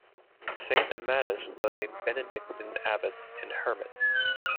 Saint Amatus was a Benedictine abbot and hermit.